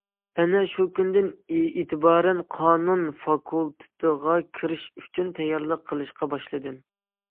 ئەنە شۇ كۈندىن ئېتىبارەن قانۇن فاكۇلتېتىغا كىرىش ئۈچۈن تەييارلىق قىلىشقا باشلىدىم.